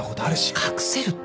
隠せるって。